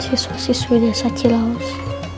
siswa siswa desa cilaus